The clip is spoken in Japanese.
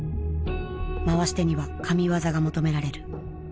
回し手には神業が求められる。